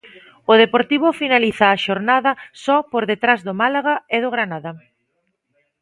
O Deportivo finaliza a xornada só por detrás do Málaga e do Granada.